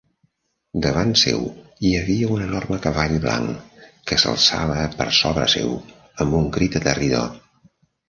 Davant seu hi havia un enorme cavall blanc, que s'alçava per sobre seu amb un crit aterridor.